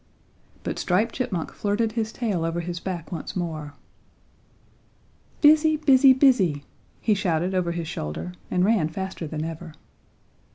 But Striped Chipmunk flirted his tail over his back once more. "Busy! busy! busy!" he shouted over his shoulder and ran faster than ever.